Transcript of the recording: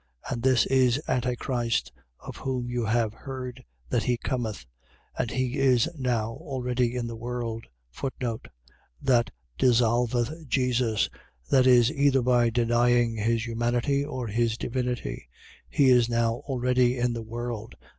And this is Antichrist, of whom you have heard that he cometh: and he is now already in the world. That dissolveth Jesus. . .Viz., either by denying his humanity, or his divinity. He is now already in the world.